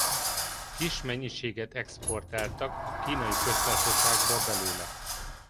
Kis mennyiséget exportáltak a Kínai Köztársaságba belőle.